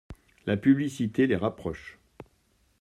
La publicité les rapproche.